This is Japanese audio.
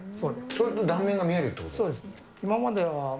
それで断面が見えると。